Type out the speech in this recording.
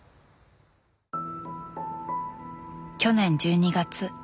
去年１２月。